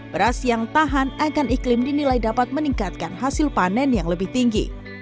beras yang tahan akan iklim dinilai dapat meningkatkan hasil panen yang lebih tinggi